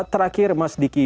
terakhir mas diki